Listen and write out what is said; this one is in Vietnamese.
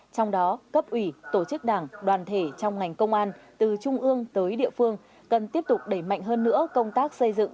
trong đó cấp ủy tổ chức đảng đoàn thể trong ngành công an từ trung ương tới địa phương cần tiếp tục đẩy mạnh hơn nữa công tác xây dựng